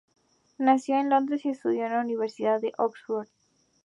Nació en Londres y estudió en la Universidad de Oxford.